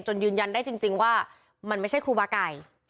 ยืนยันได้จริงว่ามันไม่ใช่ครูบาไก่